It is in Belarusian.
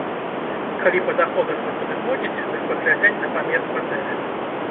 Калі па даходах вы падыходзіце, дык паглядзяць на памер кватэры.